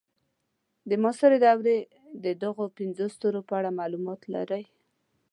د معاصرې دورې د دغو پنځو ستورو په اړه معلومات لرئ.